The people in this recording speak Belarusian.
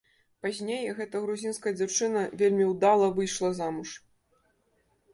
Пазней гэта грузінская дзяўчына вельмі ўдала выйшла замуж.